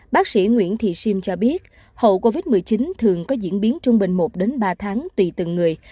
bác sĩ nguyễn thị sim cho biết hậu covid một mươi chín thường có diễn biến trung bình một ba tháng tùy từng người